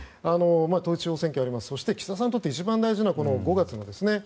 統一地方選挙もありますし岸田さんにとって一番大事なのは５月ですね。